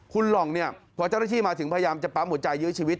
คุณหล่องพอเจ้าระชีมาถึงพยายามจะปรับหัวใจยื้อชีวิต